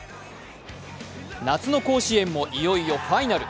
夏の甲子園もいよいよファイナル。